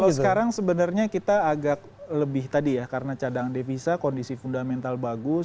kalau sekarang sebenarnya kita agak lebih tadi ya karena cadang devisa kondisi fundamental bagus